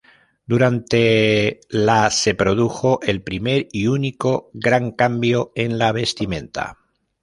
Durante la se produjo el primer y único gran cambio en la vestimenta.